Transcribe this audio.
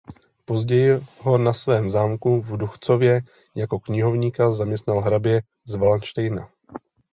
Později ho na svém zámku v Duchcově jako knihovníka zaměstnal hrabě z Valdštejna.